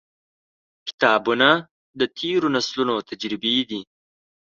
• کتابونه، د تیرو نسلونو تجربې دي.